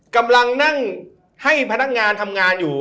กำลังนั่งให้พนักงานทำงานอยู่